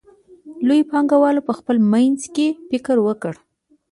لویو پانګوالو په خپل منځ کې فکر وکړ